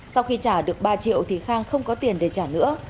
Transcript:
sau khi trả được ba triệu thì khang không có tiền để trả nữa